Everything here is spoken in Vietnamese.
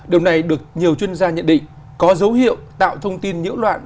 điều này được nhiều chuyên gia nhận định có dấu hiệu tạo thông tin nhiễu loạn